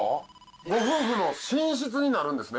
ご夫婦の寝室になるんですね。